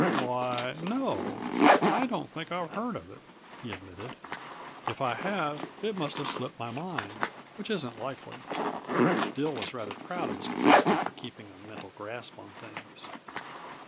"Why, no, I don't think I have heard of it," he admitted. "If I have it must have slipped my mind which isn't likely." Dill was rather proud of his capacity for keeping a mental grasp on things.